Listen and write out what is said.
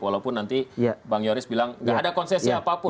walaupun nanti bang yoris bilang gak ada konsesi apapun